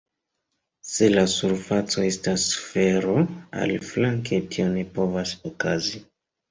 Se la surfaco estas sfero, aliflanke, tio ne povas okazi.